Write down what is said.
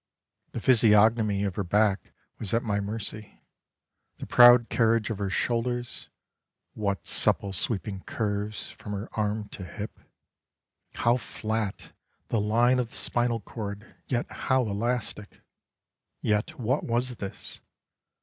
The physiognomy of her back was at my mercy. The proud carriage of her shoulders! What supple sweeping curves from her arm to hip! How flat the line of the spinal cord, yet how elastic! — Yet what was this!